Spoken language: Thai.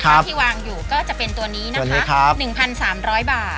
ครับที่วางอยู่ก็จะเป็นตัวนี้นะคะตัวนี้ครับหนึ่งพันสามร้อยบาท